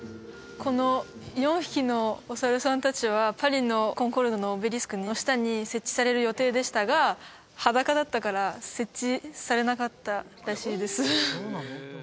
この４匹のお猿さん達はパリのコンコルドのオベリスクの下に設置される予定でしたが裸だったから設置されなかったらしいです